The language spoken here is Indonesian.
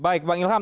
baik bang ilham